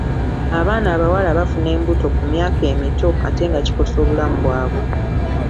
Abaana abawala bafuna embuto ku myaka emito ate nga kikosa obulamu bwabwe.